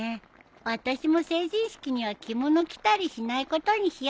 わたしも成人式には着物着たりしないことにしよう。